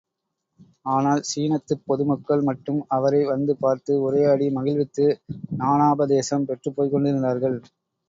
ஆனால், சீனத்துப் பொதுமக்கள் மட்டும் அவரை வந்து பார்த்து உரையாடி மகிழ்வித்து, ஞானோபதேசம் பெற்றுப் போய்க் கொண்டிருத்தார்கள்.